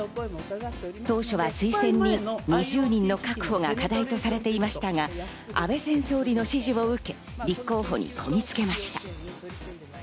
当初は推薦人２０人の確保が課題とされていましたが、安倍前総理の支持を受け立候補にこぎつけました。